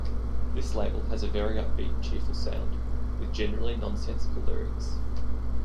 This label has a very upbeat and cheerful sound, with generally nonsensical lyrics.